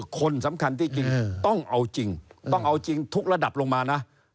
คนสำคัญที่จริงต้องเอาจริงต้องเอาจริงทุกระดับลงมานะ